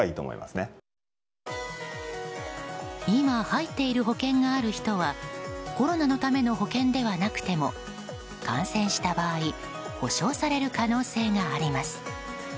今、入っている保険がある人はコロナのための保険ではなくても感染した場合保証される可能性があります。